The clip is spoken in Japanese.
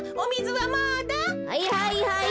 はいはいはい。